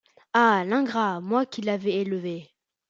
Ah! l’ingrat ! moi qui l’avais élevé !